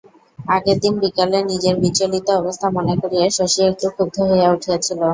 আগের দিন বিকালে নিজের বিচলিত অবস্থা মনে করিয়া শশী একটু ক্ষুব্ধ হইয়া উঠিয়াছিল।